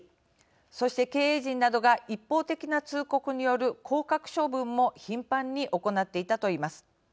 そして、経営陣などが一方的な通告による降格処分も頻繁に行っていたといいます。